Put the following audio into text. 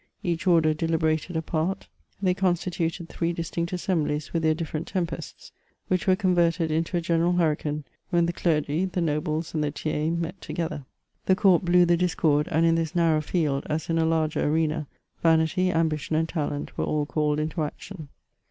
Each Older deliberated apart ; they constituted three disdnct as semblies with their different tempests, which were converted into a general hurricane when the clergy, the nobles, and the tiers met together. The court blew the discord, and in this narrow field, as in a larger arena, vanity, ambition, and talent were all caUed into action.